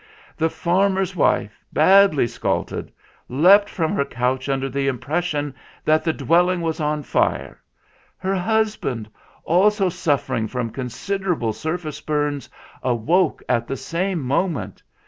The farmer's wife, badly scalded, leapt from her couch under the impression that the dwell ing was on fire; her husband, also suffering THE SAD STRANGER 165 from considerable surface burns, awoke at the same moment.